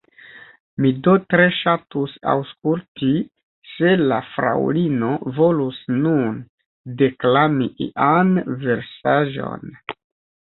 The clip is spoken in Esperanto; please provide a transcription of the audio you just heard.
Mi do tre ŝatus aŭskulti, se la Fraŭlino volus nun deklami ian versaĵon.